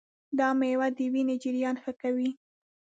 دا مېوه د وینې جریان ښه کوي.